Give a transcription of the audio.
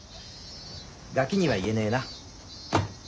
ガキには言えねえな。